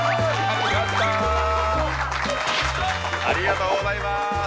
ありがとうございます